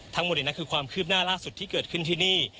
ทั้งหมดนี้คือความคืบหน้าล่าสุดที่เกิดขึ้นที่นี่